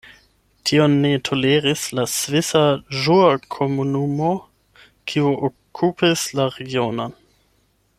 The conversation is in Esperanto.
Tion ne toleris la Svisa Ĵurkomunumo, kiu okupis la regionon.